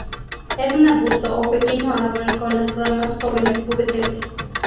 Es un arbusto o pequeño árbol con las ramas jóvenes pubescentes.